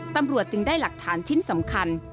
ตำรวจจึงได้หลักฐานชิ้นสำคัญ